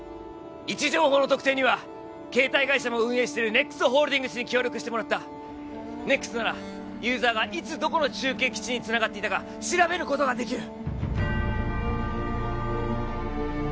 位置情報の特定には携帯会社も運営してる ＮＥＸ ホールディングスに協力してもらった ＮＥＸ ならユーザーがいつどこの中継基地につながっていたか調べることができる